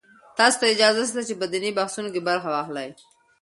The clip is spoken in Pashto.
تاسو ته اجازه شته چې په دیني بحثونو کې برخه واخلئ.